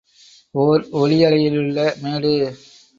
ஒர் ஒலி அலையிலுள்ள மேடு.